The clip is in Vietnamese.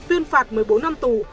tuyên phạt một mươi bốn năm tù